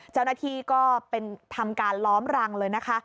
เจ้าหน้าที่ก็เป็นทำการล้อมรังเลยนะคะ